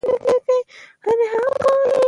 ماضي مطلق بشپړ عمل ښيي.